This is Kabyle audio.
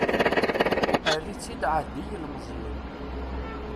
Err-itt-id ɛad i yilmeẓyen.